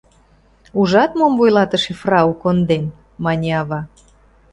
— Ужат, мом вуйлатыше фрау конден, — мане ава.